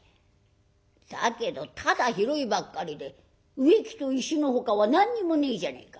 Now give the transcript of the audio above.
だけどただ広いばっかりで植木と石のほかは何にもねえじゃねえか。